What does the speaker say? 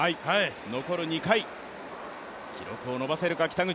残る２回、記録を残せるか、北口。